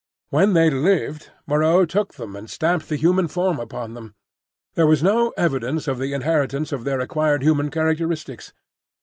When they lived, Moreau took them and stamped the human form upon them. There was no evidence of the inheritance of their acquired human characteristics.